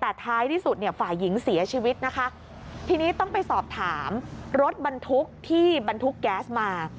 แต่ท้ายที่สุดเนี่ยฝ่ายหญิงเสียชีวิตนะคะทีนี้ต้องไปสอบถามรถบรรทุกที่บรรทุกแก๊สมา